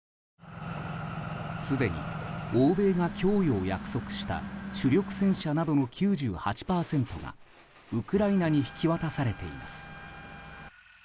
すでに欧米が供与を約束した主力戦車などの９８％がウクライナ引き渡されています。